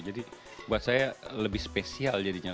buat saya lebih spesial jadinya